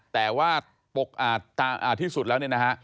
แต่ว่าที่สุดแล้วเนี่ยนะฮะ